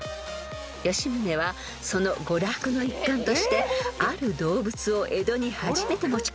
［吉宗はその娯楽の一環としてある動物を江戸に初めて持ち込みました］